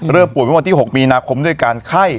เริ่มปวดวันที่๖มีนาคมด้วยการไข้